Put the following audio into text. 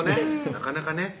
なかなかね